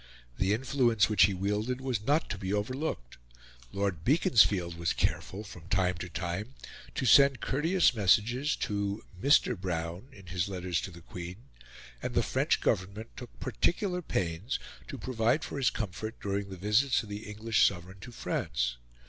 The influence which he wielded was not to be overlooked. Lord Beaconsfield was careful, from time to time, to send courteous messages to "Mr. Brown" in his letters to the Queen, and the French Government took particular pains to provide for his comfort during the visits of the English Sovereign to France.